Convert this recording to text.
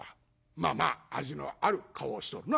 「まあまあ味のある顔をしとるな」。